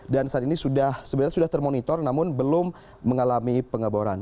dan saat ini sebenarnya sudah termonitor namun belum mengalami pengeboran